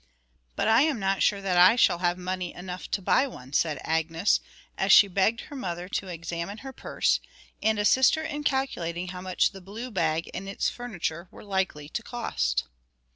'But I am not sure that I shall have money enough to buy one,' said Agnes, as she begged her mother to examine her purse, and assist her in calculating how much the blue bag and its furniture were likely to cost.